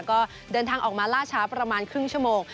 ก็เดินทางออกมาล่าช้าประมาณครึ่งชั่วโมง